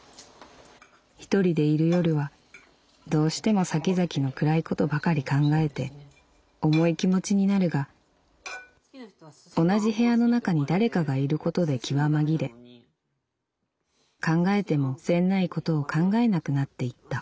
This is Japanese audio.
「一人でいる夜はどうしても先々の暗いことばかり考えて重い気持ちになるが同じ部屋の中に誰かがいることで気は紛れ考えても詮無いことを考えなくなっていった」。